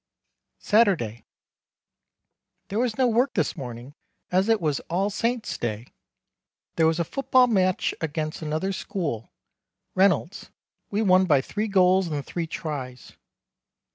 Saturday. There was no work this morning as it was "All Saints day." There was a football matsh against another scool Reynolds'. We won by three goals and three tries.